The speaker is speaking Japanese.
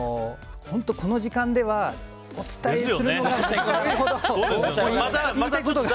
本当この時間ではお伝えするのが。